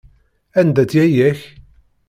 Anda-tt yaya-k?